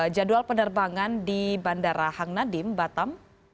jadwal penerbangan di bandara hang nadiem batam